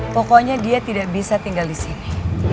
pokoknya dia tidak bisa tinggal disini